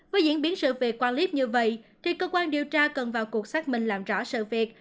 với diễn biến sự việc qua clip như vậy thì cơ quan điều tra cần vào cuộc xác minh làm rõ sự việc